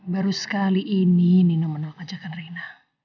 baru sekali ini nino menolak ajakan reina